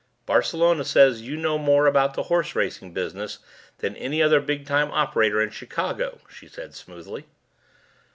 "Barcelona says you know more about the horse racing business than any other big time operator in Chicago," she said smoothly.